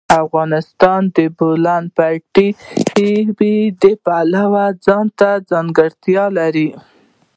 افغانستان د د بولان پټي د پلوه ځانته ځانګړتیا لري.